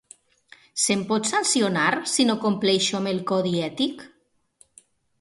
Se'm pot sancionar si no compleixo amb el codi ètic?